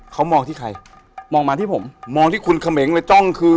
เขามองที่ใครมองมาที่ผมมองที่คุณเขมงเลยจ้องคือ